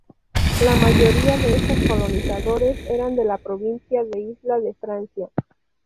La mayoría de estos colonizadores eran de la provincia de Isla de Francia.